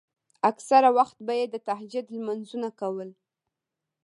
اکثره وخت به يې د تهجد لمونځونه کول.